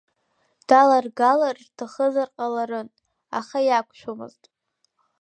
Даларгалар рҭахызар ҟаларын, аха иақәшәомызт.